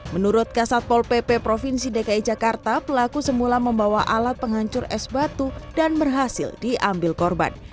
menurut kasatpol pp provinsi dki jakarta pelaku semula membawa alat penghancur es batu dan berhasil diambil korban